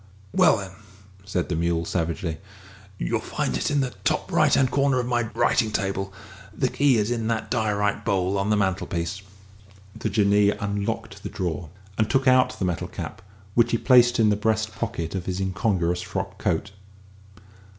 "Well, then," said the mule, savagely, "you'll find it in the top right hand drawer of my writing table: the key is in that diorite bowl on the mantelpiece." The Jinnee unlocked the drawer, and took out the metal cap, which he placed in the breast pocket of his incongruous frock coat.